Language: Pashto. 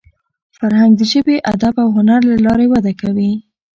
فرهنګ د ژبي، ادب او هنر له لاري وده کوي.